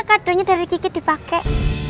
kadonya dari kiki dipakai